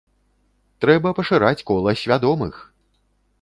Трэба пашыраць кола свядомых!